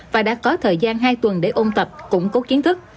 và đã có thời gian hai tuần để ôn tập củng cố kiến thức